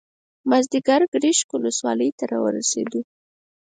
مازیګر ګرشک ولسوالۍ ته راورسېدو.